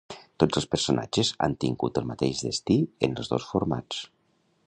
Tots els personatges han tingut el mateix destí en els dos formats?